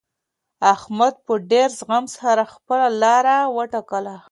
احمد په ډېر زغم سره خپله لاره وټاکله.